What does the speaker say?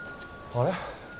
あれ？